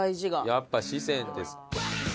やっぱ四川です。